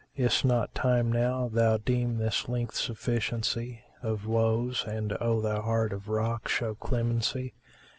Is't not time now thou deem this length sufficiency * Of woes and, O thou Heart of Rock, show clemency?